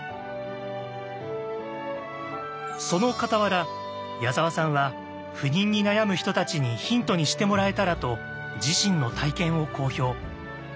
その傍ら矢沢さんは不妊に悩む人たちにヒントにしてもらえたらと自身の体験を公表。